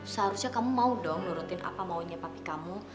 seharusnya kamu mau dong nurutin apa maunya papi kamu